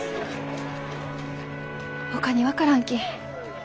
ほかに分からんき